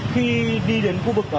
khi đi đến khu vực